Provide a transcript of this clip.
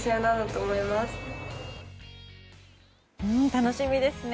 楽しみですね。